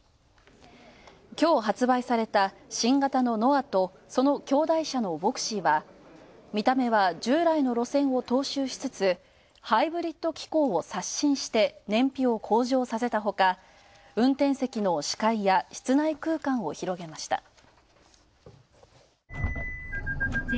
きょう発売された新型のノアとその兄弟車のヴォクシーは見た目は従来の路線を踏襲しつつハイブリッド機構を刷新して燃費を向上させたほか運転席の視界や室内空間を広げました。